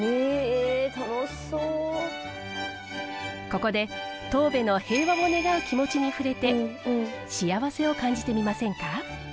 ここでトーベの平和を願う気持ちに触れて幸せを感じてみませんか？